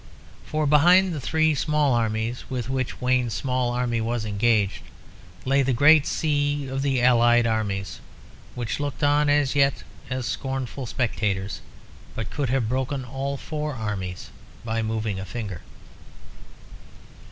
For behind the three small armies with which Wayne's small army was engaged lay the great sea of the allied armies, which looked on as yet as scornful spectators, but could have broken all four armies by moving a finger.